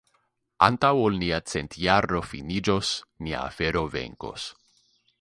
Antaŭ ol nia centjaro finiĝos, nia afero venkos.